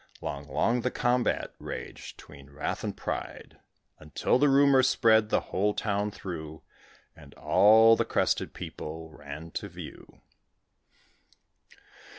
Long, long the combat raged 'tween wrath and pride, Until the rumour spread the whole town through, And all the crested people ran to view.